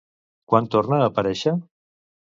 Quan torna a aparèixer?